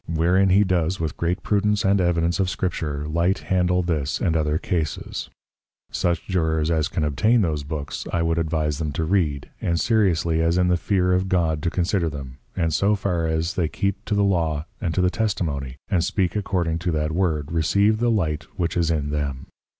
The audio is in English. wherein he does with great Prudence and Evidence of Scripture light handle this and other Cases: Such Jurors as can obtain those Books, I would advise them to read, and seriously as in the fear of God to consider them, and so far as they keep to the Law and to the Testimony, and speak according to that Word, receive the Light which is in them.